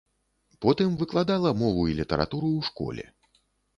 Потым выкладала мову і літаратуру ў школе.